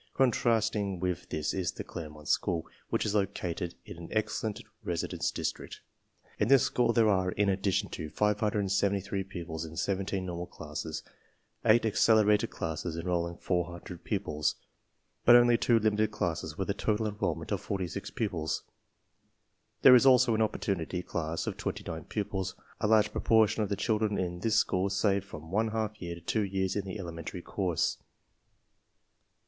"Contrasting with this is the Claremont SchQoL which is located in an excellent residence district. In this school there are, in addition to 573 pupils in 17 normal classes, S^acceler ^w ated classes enrolling 400 pupils, but^only 2 limited ^lasse&jvith a total enrollment of 46 pupils. There is also an opportunity class of 29 pupils. A large propor tion of the children in this school save from one half year to two years in the elementary course.